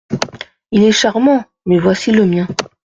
Il est charmant ! mais voici le mien.